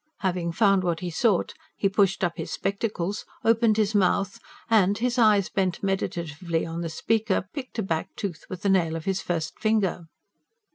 Having found what he sought, he pushed up his spectacles, opened his mouth, and, his eyes bent meditatively on the speaker, picked a back tooth with the nail of his first finger.